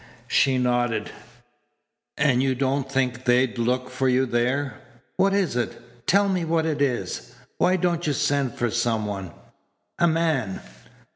She nodded. "And you don't think they'd look for you there. What is it? Tell me what it is. Why don't you send for some one a man?"